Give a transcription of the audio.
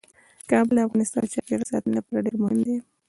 کابل د افغانستان د چاپیریال ساتنې لپاره ډیر مهم دی.